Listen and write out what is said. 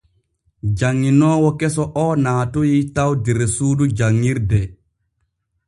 Janŋinoowo keso o naatoy taw der suudu janŋirde.